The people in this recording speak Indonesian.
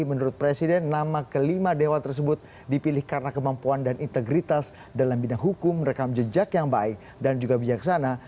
menurut presiden nama kelima dewa tersebut dipilih karena kemampuan dan integritas dalam bidang hukum rekam jejak yang baik dan juga bijaksana